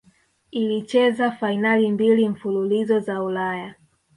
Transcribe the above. ilicheza fainali mbili mfululizo za ulaya